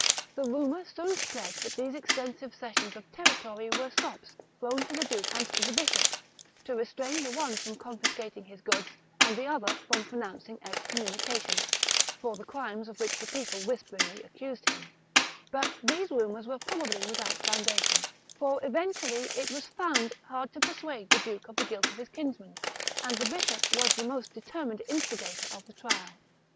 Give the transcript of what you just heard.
The rumour soon spread that these extensive cessions of territory were sops thrown to the duke and to the bishop, to restrain the one from confiscating his goods, and the other from pronouncing excommuni cation, for the crimes of which the people whisperingly accused him ; but these rumours were probably without foundation, for eventually it was found hard to persuade the duke of the guilt of his kinsman, and the bishop. was the most determined instigator of the trial.